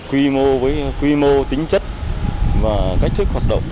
quy mô với quy mô tính chất và cách thức hoạt động